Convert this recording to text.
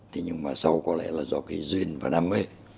thế nhưng mà sau có lẽ là do cái duyên và đam mê